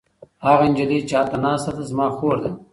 هغه نجلۍ چې هلته ناسته ده زما خور ده.